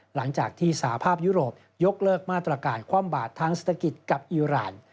หลังจากที่สาภาพยุโรปยกเลิกมาตรการคว่ำบาดทั้งเศรษฐกิจกับอิราณ